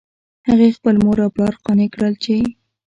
هغې خپل مور او پلار قانع کړل چې